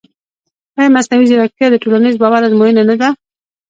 ایا مصنوعي ځیرکتیا د ټولنیز باور ازموینه نه ده؟